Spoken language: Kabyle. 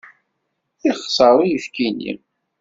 Yexṣer uyefki-nni.